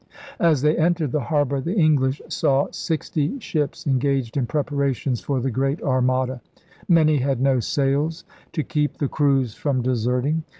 As they entered the harbor, the English saw sixty ships engaged in preparations for the Great Armada. Many had no sails — to keep the crews from deserting.